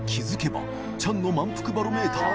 韻チャンの満腹バロメーター